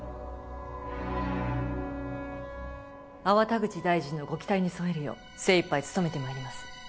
粟田口大臣のご期待に沿えるよう精いっぱい努めて参ります。